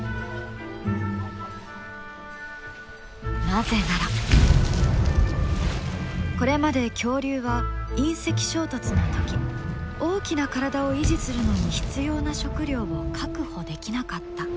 なぜならこれまで恐竜は隕石衝突の時大きな体を維持するのに必要な食料を確保できなかった。